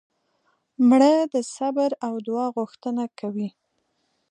مړه د صبر او دعا غوښتنه کوي